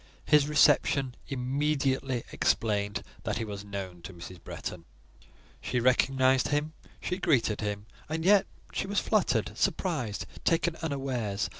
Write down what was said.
His reception immediately explained that he was known to Mrs. Bretton. She recognised him; she greeted him, and yet she was fluttered, surprised, taken unawares.